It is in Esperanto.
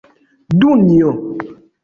Dunjo!